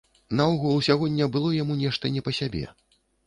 Наогул сягоння было яму нешта не па сябе.